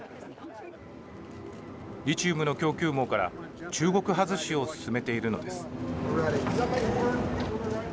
リチウムの供給網から中国外しを進めているのです。